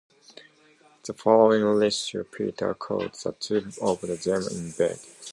The following issue, Peter caught the two of them in bed.